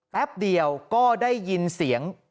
แป๊บเดียวก็ได้ยินเสียง